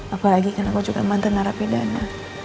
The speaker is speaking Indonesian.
apalagi karena aku juga mantan arah pidana